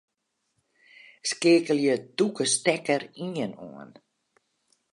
Skeakelje tûke stekker ien oan.